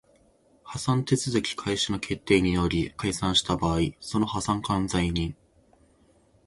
破産手続開始の決定により解散した場合その破産管財人